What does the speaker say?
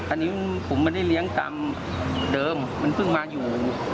อันนี้ผมไม่ได้เลี้ยงตามเดิมมันเพิ่งมาอยู่